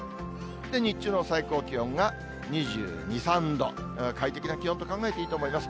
日中の最高気温が２２、３度、快適な気温と考えていいと思います。